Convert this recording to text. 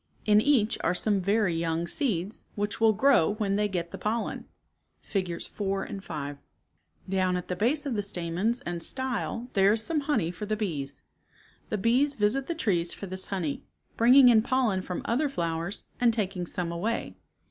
In each are some Apple Blos soM. very young seeds, which will grow when they get the pollen (Figures 4 and 5). Down at the base of the stamens and style there is some honey for the bees. The bees visit the trees for this honey, bringing in pollen from other flowers and taking some away.